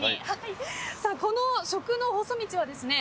この食の細道はですね